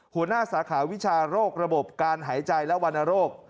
หัวหน้าสาขาวิชาโรคระบบการหายใจและวันโรค